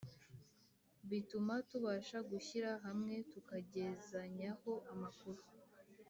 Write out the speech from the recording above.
bituma tubasha gushyira hamwe, tukagezanyaho amakuru